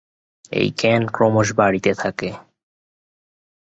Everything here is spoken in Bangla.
এই জ্ঞান ক্রমশ বাড়িতে থাকে।